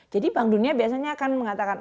jadi bank dunia biasanya akan mengatakan